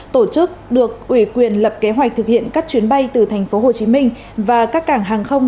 tổ chức được ủy quyền lập kế hoạch thực hiện các chuyến bay từ tp hcm và các cảng hàng không